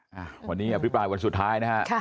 ควรนี้อภิปรายวันสุดท้ายนะครับ